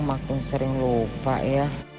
makin sering lupa ya